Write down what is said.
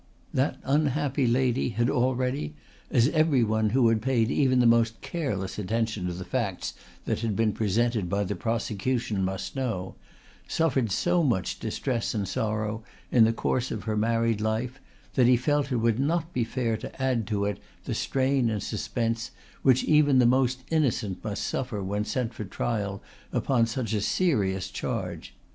That unhappy lady had already, as every one who had paid even the most careless attention to the facts that had been presented by the prosecution must know, suffered so much distress and sorrow in the course of her married life that he felt it would not be fair to add to it the strain and suspense which even the most innocent must suffer when sent for trial upon such a serious charge.